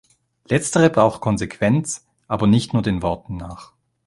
Letztere braucht Konsequenz, aber nicht nur den Worten nach.